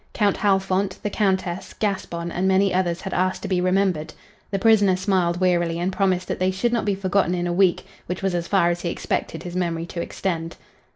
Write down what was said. Count Halfont, the Countess, Gaspon and many others had asked to be remembered. The prisoner smiled wearily and promised that they should not be forgotten in a week which was as far as he expected his memory to extend.